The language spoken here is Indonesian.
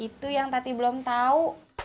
itu yang tati belum tau